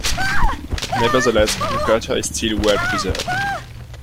Nevertheless, the crater is still well-preserved.